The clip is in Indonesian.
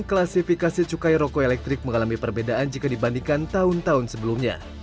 klasifikasi cukai roko elektrik mengalami perbedaan jika dibandingkan tahun tahun sebelumnya